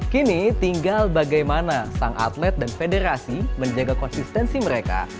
kini tinggal bagaimana sang atlet dan federasi menjaga konsistensi mereka